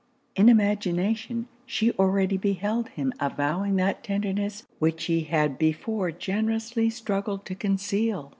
In imagination, she already beheld him avowing that tenderness which he had before generously struggled to conceal.